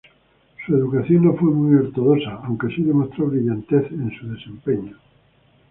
Su educación no fue muy ortodoxa, aunque sí demostró brillantez en su desempeño.